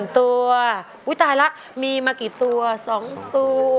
ตัวอุ๊ยตายแล้วมีมากี่ตัว๒ตัว